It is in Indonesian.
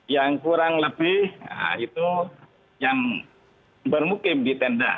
yang kurang lebih itu yang bermukim di tenda